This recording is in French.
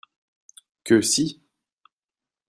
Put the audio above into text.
Que si !